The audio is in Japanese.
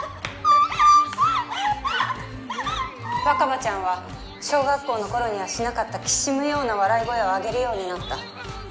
若葉ちゃんは小学校の頃にはしなかった軋むような笑い声をあげるようになった。